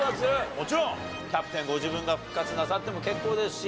もちろんキャプテンご自分が復活なさっても結構ですし。